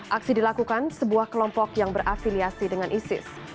aksi dilakukan sebuah kelompok yang berafiliasi dengan isis